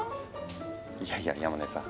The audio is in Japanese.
いやいや山根さん